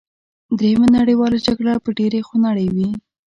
دریمه نړیواله جګړه به ډېره خونړۍ وي